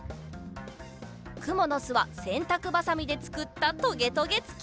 くものすはせんたくばさみでつくったとげとげつき！